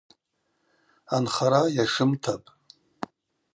Анхара йашымтапӏ.